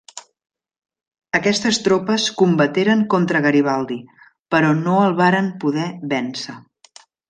Aquestes tropes combateren contra Garibaldi, però no el varen poder vèncer.